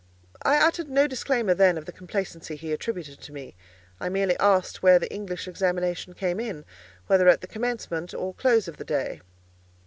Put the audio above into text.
I uttered no disclaimer then of the complacency he attributed to me; I merely asked where the English examination came in—whether at the commencement or close of the day?